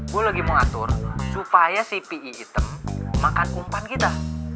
gue lagi mau atur supaya si pi hitam makan umpan kita